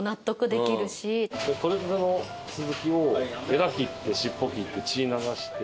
獲れたてのスズキをエラ切って尻尾切って血流して。